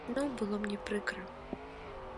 І зноў было мне прыкра.